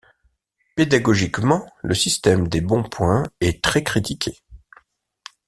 Pédagogiquement le système des bons points est très critiqué.